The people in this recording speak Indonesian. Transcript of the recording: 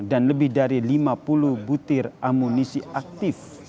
dan lebih dari lima puluh butir amunisi aktif